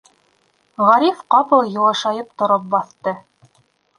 Ғариф ҡапыл йыуашайып тороп баҫты.